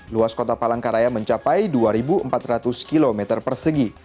luas kota palangkaraya mencapai dua empat ratus km persegi